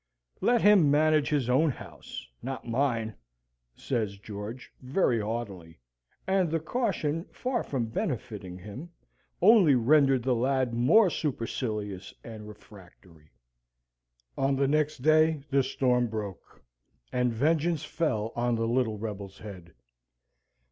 "Let him manage his own house, not mine," says George, very haughtily. And the caution, far from benefiting him, only rendered the lad more supercilious and refractory. On the next day the storm broke, and vengeance fell on the little rebel's head.